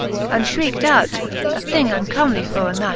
And fhrieked out j a thing uncomely for a knight.